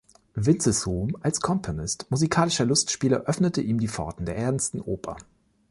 Vincis Ruhm als Komponist musikalischer Lustspiele öffnete ihm die Pforten der ernsten Oper.